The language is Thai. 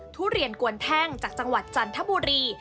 ทุเรียนกวนแท่งจากจังหวัดจันทบุรี